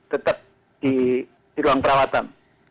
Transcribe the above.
tetap di ruang perawatan